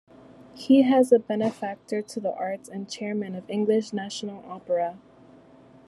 He has been a benefactor to the arts and Chairman of English National Opera.